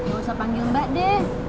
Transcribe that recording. gak usah panggil mbak de